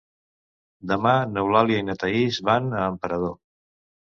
Demà n'Eulàlia i na Thaís van a Emperador.